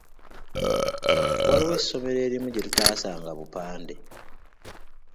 Waliwo essomero erimu gye tutaasanga bupande.